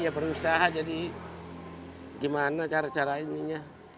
ya berusaha jadi gimana cara cara ininya